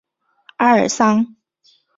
阿尔桑。